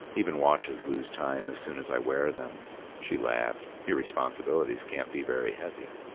Even watches lose time as soon as I wear them." She laughed. "Your responsibilities can't be very heavy."